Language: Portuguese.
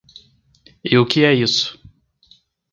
E o que é isso?